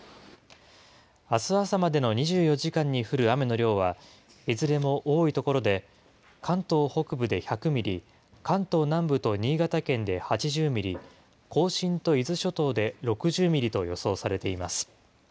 あす朝までの２４時間に降る雨の量は、いずれも多い所で、関東北部で１００ミリ、関東南部と新潟県で８０ミリ、甲信と伊豆諸島で６０ミリと予想されています。